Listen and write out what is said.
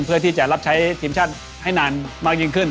เพื่อที่จะรับใช้ทีมชาติให้นานมากยิ่งขึ้น